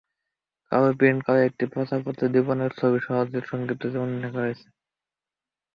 কালো প্রিন্ট করা একটি প্রচারপত্রে দীপনের ছবিসহ সংক্ষিপ্ত জীবনী লেখা হয়েছে।